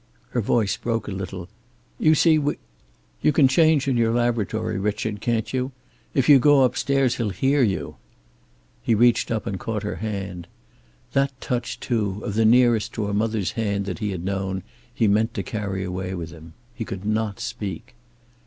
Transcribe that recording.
Her voice broke a little. "You see, we You can change in your laboratory. Richard, can't you? If you go upstairs he'll hear you." He reached up and caught her hand. That touch, too, of the nearest to a mother's hand that he had known, he meant to carry away with him. He could not speak.